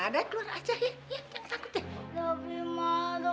udah keluar aja ya